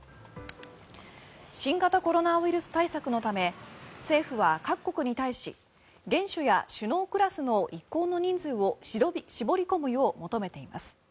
新型コロナウイルス対策のため政府は各国に対し元首や首脳クラスの一行の人数を絞り込むよう求めています。